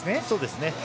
そうですね。